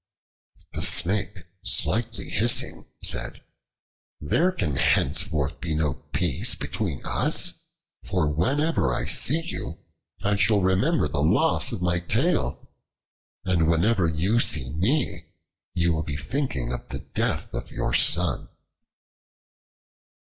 The Snake, slightly hissing, said: "There can henceforth be no peace between us; for whenever I see you I shall remember the loss of my tail, and whenever you see me you will be thinking of the death of your son."